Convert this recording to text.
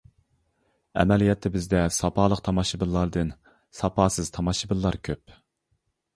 ئەمەلىيەتتە بىزدە ساپالىق تاماشىبىنلاردىن ساپاسىز تاماشىبىنلار كۆپ.